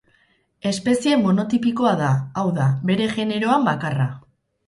Espezie monotipikoa da, hau da, bere generoan bakarra.